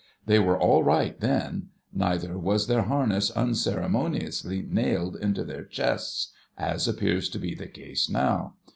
They were all right, then ; neither was their harness unceremoniously nailed into their chests, as appears to be the case now.